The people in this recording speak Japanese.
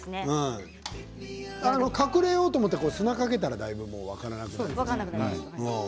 隠れようと思って砂をかけたらだいぶ分からなくなりますね。